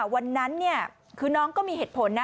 วันนั้นคือน้องก็มีเหตุผลนะ